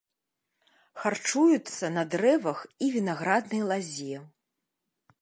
Харчуюцца на дрэвах і вінаграднай лазе.